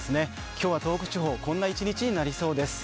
今日は東北地方、こんな一日になりそうです。